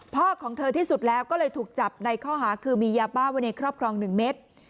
ของเธอที่สุดแล้วก็เลยถูกจับในข้อหาคือมียาบ้าไว้ในครอบครอง๑เมตร